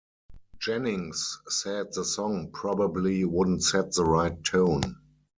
Jennings said the song "probably wouldn't set the right tone".